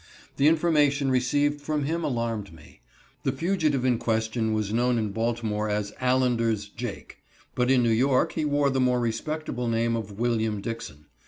The information received from him alarmed me. The fugitive in question was known in Baltimore as "Allender's Jake," but in New York he wore the more respectable name of "William Dixon."